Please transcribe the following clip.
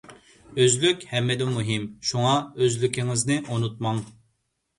ئۆزلۈك ھەممىدىن مۇھىم. شۇڭا ئۆزلۈكىڭىزنى ئۇنتۇماڭ!